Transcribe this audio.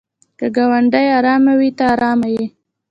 که ګاونډی ارام وي ته ارام یې.